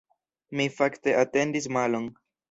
Mi fakte atendis malon.